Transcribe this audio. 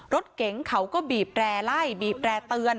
รถเก๋งเขาก็บีบแร่ไล่บีบแร่เตือน